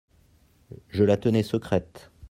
Je la tenais sécrete.